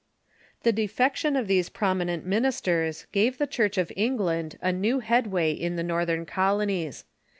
The defection of these prominent ministers gave the Church of England a new head way in the northern colonies.